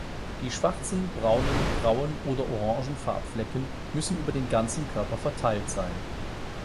Die schwarzen, braunen, grauen oder orangen Farbflecken müssen über den ganzen Körper verteilt sein.